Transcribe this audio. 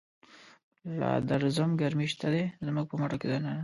لادرزم ګرمی شته دی، زموږ په مټوکی دننه